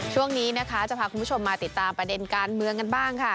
ช่วงนี้นะคะจะพาคุณผู้ชมมาติดตามประเด็นการเมืองกันบ้างค่ะ